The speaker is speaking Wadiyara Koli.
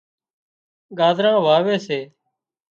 ڳازران واوي سي